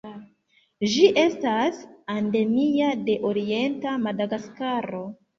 Ĝi estas endemia de orienta Madagaskaro.